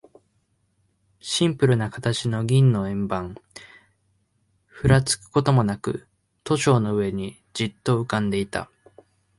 シンプルな形の銀の円盤、ふらつくこともなく、都庁の上にじっと浮んでいた。